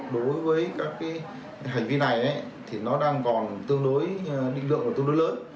đối với các hành vi này thì nó đang còn tương đối định lượng và tương đối lớn